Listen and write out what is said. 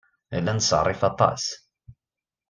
Nella nettṣerrif aṭas.